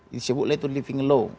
disebutlah itu living law